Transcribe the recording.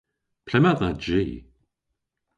Ple'ma dha ji?